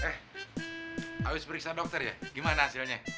eh harus periksa dokter ya gimana hasilnya